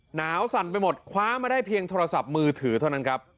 หนาวสั่นไปหมดคว้ามาได้เพียงโทรศัพท์มือถือเท่านั้นครับ